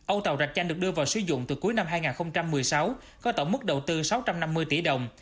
âu tàu rạch chanh được đưa vào sử dụng từ cuối năm hai nghìn một mươi sáu có tổng mức đầu tư sáu trăm năm mươi tỷ đồng